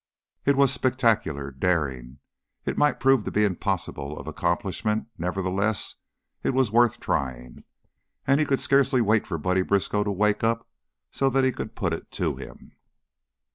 It was spectacular, daring, it might prove to be impossible of accomplishment; nevertheless, it was worth trying, and he could scarcely wait for Buddy Briskow to wake up so that he could put it to him.